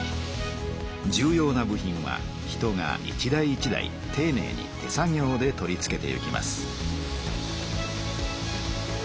重要な部品は人が一台一台ていねいに手作業で取り付けていきます。